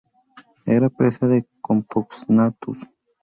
Era presa de "Compsognathus".